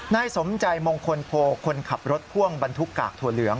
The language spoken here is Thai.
นายสมใจมงคลโพคนขับรถพ่วงบรรทุกกากถั่วเหลือง